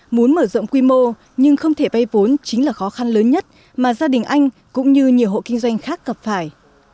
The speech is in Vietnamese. muốn mở rộng quy mô nhưng không thể bay vốn chính là khó khăn lớn nhất mà gia đình anh cũng như nhiều hộ kinh doanh khác gặp phải